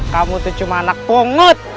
kamu tuh cuma anak pungut